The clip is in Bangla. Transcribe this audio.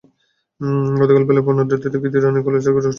গতকাল বেলা পৌনে দুইটার দিকে ইতি রানী কলেজ থেকে অটোরিকশায় বাড়ি ফিরছিলেন।